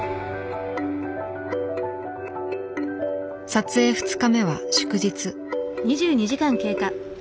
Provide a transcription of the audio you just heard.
撮影２日目は祝日。